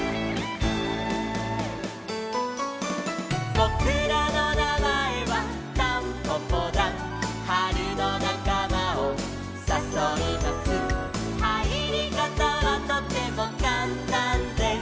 「ぼくらのなまえはタンポポだん」「はるのなかまをさそいます」「はいりかたはとてもかんたんです」